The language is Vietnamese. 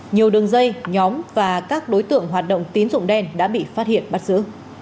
nhiều đường dây nhóm và các đối tượng hoạt động tín dụng đen đã bị phát hiện bắt giữ